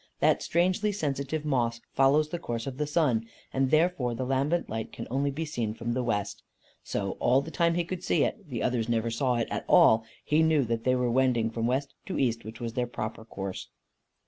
That strangely sensitive moss follows the course of the sun, and therefore the lambent light can only be seen from the west. So all the time he could see it the others never saw it at all he knew that they were wending from west to east, which was their proper course.